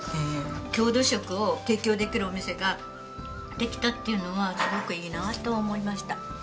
郷土食を提供できるお店ができたっていうのはすごくいいなと思いました。